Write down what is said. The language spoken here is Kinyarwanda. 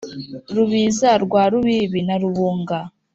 rubiza rwa rubibi na rubunga,